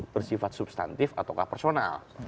bersifat substantif atau personal